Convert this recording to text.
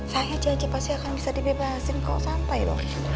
saya janji pasti akan bisa dibebasin kalau santai pak